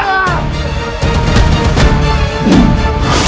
dalam din meow